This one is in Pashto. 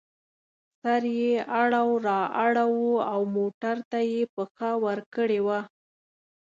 سر یې اړو را اړوو او موټر ته یې پښه ورکړې وه.